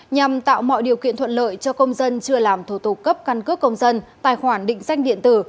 nhằm tạo mọi điều kiện thuận lợi cho công dân chưa làm thủ tục cấp căn cước công dân tài khoản định danh điện tử